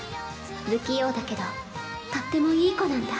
不器用だけどとってもいい子なんだ